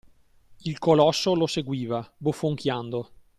Il colosso lo seguiva, bofonchiando.